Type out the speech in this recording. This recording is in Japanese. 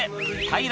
はい。